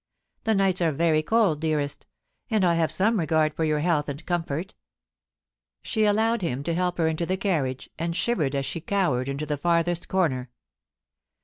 The nights are very cold, dearest; and I have some regard for your health and comfort* She allowed him to help her into the carriage, and shivered as she cowered into the farthest comer.